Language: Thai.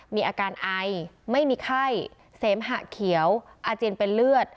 มีอาการไอไม่มีไข้เสมหะเขียวอาเจียนเป็นเลือด